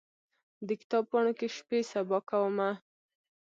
د کتاب پاڼو کې شپې سبا کومه